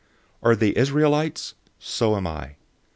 Are they Israelites? So am I.